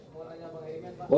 mau nanya bang herimen pak